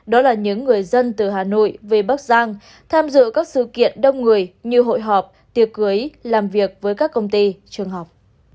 đó là những người dân từ hà nội về bắc giang tham dự các sự kiện đông người như hội họp tiệc cưới làm việc với các công ty trường học